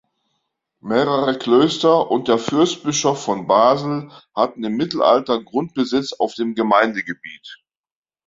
Mehrere Klöster und der Fürstbischof von Basel hatten im Mittelalter Grundbesitz auf dem Gemeindegebiet.